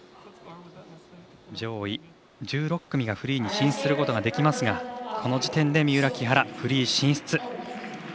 上位１６組がフリーに進出することができますがこの時点で三浦、木原フリー進出。